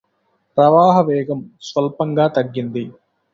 ప్రవాహ వేగం స్వల్పంగా తగ్గింది